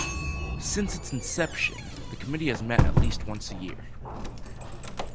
Since its inception, the committee has met at least once a year.